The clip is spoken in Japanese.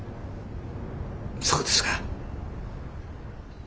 そうですか。